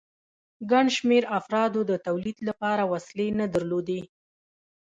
ګڼ شمېر افرادو د تولید لپاره وسیلې نه درلودې